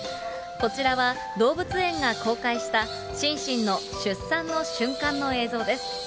こちらは動物園が公開した、シンシンの出産の瞬間の映像です。